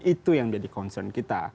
itu yang jadi concern kita